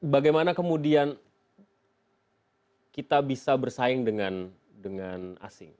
bagaimana kemudian kita bisa bersaing dengan asing